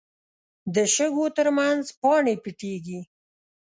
د شګو تر منځ پاڼې پټېږي